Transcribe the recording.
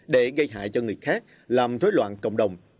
để gây hại cho người khác làm rối loạn cộng đồng